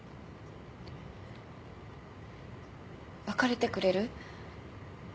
別れてくれる？